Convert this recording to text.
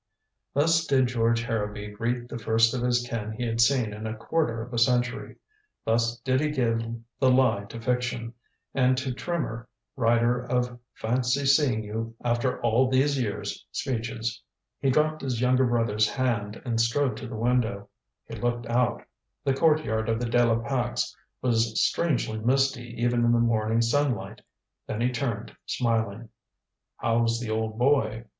Thus did George Harrowby greet the first of his kin he had seen in a quarter of a century. Thus did he give the lie to fiction, and to Trimmer, writer of "fancy seeing you after all these years" speeches. He dropped his younger brother's hand and strode to the window. He looked out. The courtyard of the De la Pax was strangely misty even in the morning sunlight. Then he turned, smiling. "How's the old boy?"